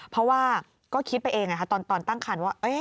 เพราะว่าก็คิดไปเองตอนตั้งคันว่า